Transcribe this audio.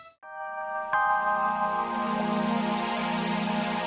kerjanya ini juga sama tiga bertingkahnya